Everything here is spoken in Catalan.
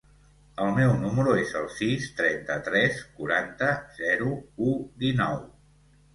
El meu número es el sis, trenta-tres, quaranta, zero, u, dinou.